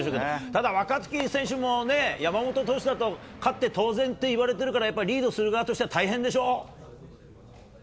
ただ、若月選手も山本投手だと、勝って当然って言われてるから、やっぱりリードする側としては、大変でしょう？